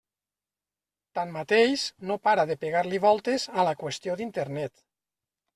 Tanmateix, no para de pegar-li voltes a la qüestió d'Internet.